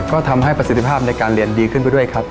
ก็ทำให้ประสิทธิภาพในการเรียนดีขึ้นไปด้วยครับ